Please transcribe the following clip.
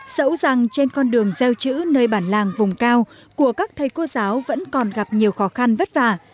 dẫu rằng trên con đường gieo chữ nơi bản làng vùng cao của các thầy cô giáo vẫn còn gặp nhiều khó khăn vất vả